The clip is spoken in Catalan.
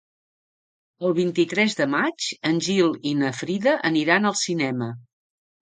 El vint-i-tres de maig en Gil i na Frida aniran al cinema.